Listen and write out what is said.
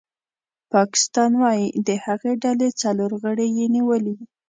پاکستان وايي د هغې ډلې څلور غړي یې نیولي